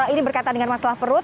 ini berkaitan dengan masalah perut